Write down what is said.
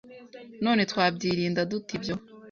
None twabyirinda dute ibyo